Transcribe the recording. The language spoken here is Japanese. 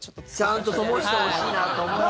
ちゃんとともしてほしいなと思います。